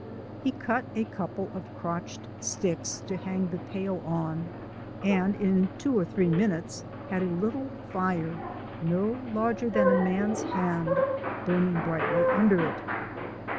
He cut a couple of crotched sticks to hang the pail on and in two or three minutes had a little fire, no larger than a man's hand, burning brightly under it.